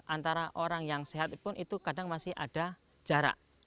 antara orang yang sehat pun itu kadang masih ada jarak